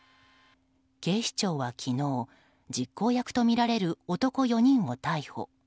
警視庁は昨日実行役とみられる男４人を逮捕。